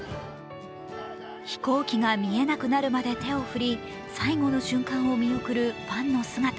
飛行機が見えなくなるまで手を振り最後の瞬間を見送るファンの姿。